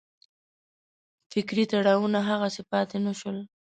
فکري تړاوونه هغسې پاتې نه شول.